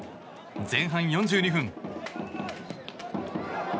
前半４２分。